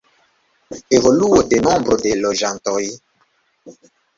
Evoluo de nombro de loĝantoj.